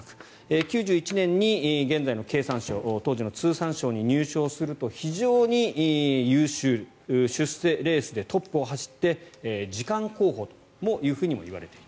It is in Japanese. ９１年に現在の経産省当時の通産省に入省すると非常に優秀出世レースでトップを走って次官候補ともいわれていた。